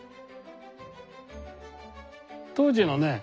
当時のね